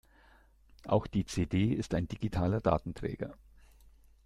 Auch die CD ist ein digitaler Datenträger.